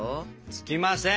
つきません！